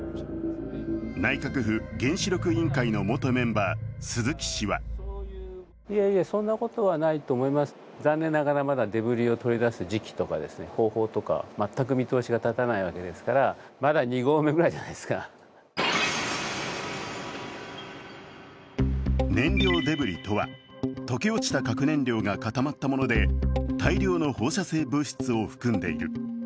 内閣府原子力委員会の元メンバー鈴木氏は燃料デブリとは、溶け落ちた核燃料が固まったもので大量の放射性物質を含んでいる。